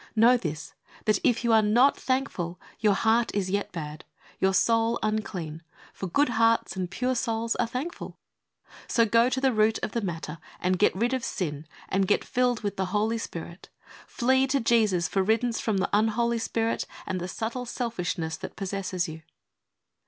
Know this, that if you are not thankful your heart is yet bad, your soul unclean, for good hearts and pure souls are thankful. So go to the root of the matter and get rid of sin and get filled with the Holy Spirit. Flee to Jesus for riddance from the unholy spirit, and the subtle selfishness that possesses you.